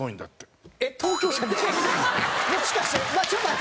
もしかして。